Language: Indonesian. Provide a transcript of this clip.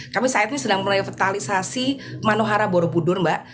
kami saat ini sedang merevitalisasi manuhara borobudur mbak